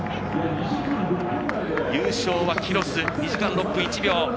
優勝はキロス２時間６分１秒。